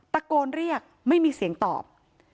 ตะโกนเรียกไม่มีเสียงตอบ